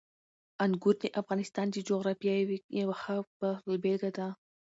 انګور د افغانستان د جغرافیې یوه ښه بېلګه ده.